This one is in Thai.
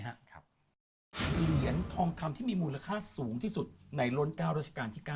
เหรียญทองคำที่มีมูลค่าสูงที่สุดในล้น๙ราชการที่๙